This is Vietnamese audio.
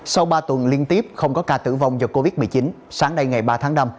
sau ba tuần liên tiếp không có ca tử vong do covid một mươi chín sáng nay ngày ba tháng năm